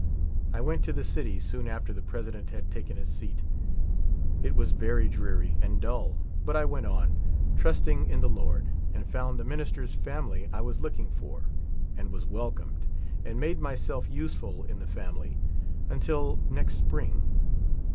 I went to the city soon after the President had taken his seat. It was very dreary and dull, but I went on, trusting in the Lord, and found the minister's family I was looking for, and was welcomed, and made myself useful in the family until next spring.